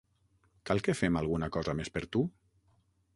Cal que fem alguna cosa més per tu?